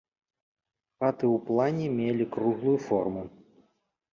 Хаты ў плане мелі круглую форму.